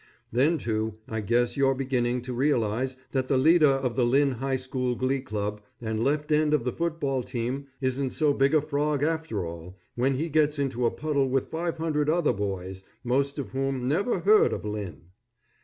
Then, too, I guess you're beginning to realize that the leader of the Lynn High School Glee Club and left end of the football team isn't so big a frog, after all, when he gets into a puddle with five hundred other boys, most of whom never heard of Lynn.